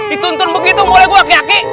itu ituan begitu boleh gue aki aki